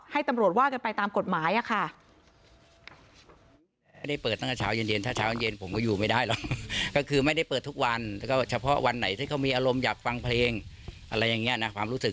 ให้ตำรวจว่ากันไปตามกฎหมายค่ะ